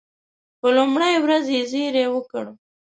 په لومړۍ ورځ یې زېری وکړ.